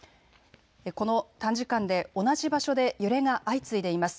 この短時間で同じ場所で揺れが相次いでいます。